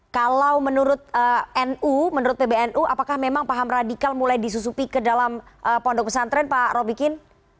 kalau menurut nu menurut pbnu apakah memang paham radikal mulai disusupi ke dalam pondok pesantren pak robikin